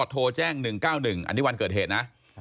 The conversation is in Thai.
โทรแจ้ง๑๙๑อันนี้วันเกิดเหตุนะ